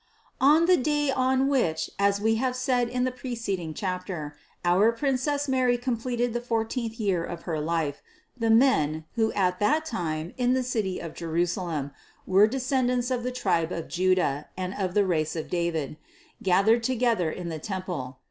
On the day on which, as we have said in the pre ceding chapter, our Princess Mary completed the four teenth year of her life, the men, who at that time in the city of Jerusalem were descendants of the tribe of Juda and of the race of David, gathered together in the tem ple.